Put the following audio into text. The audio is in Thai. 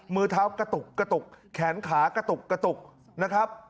มือเท้ากระตุกกระตุกแขนขากระตุกกระตุกนะครับ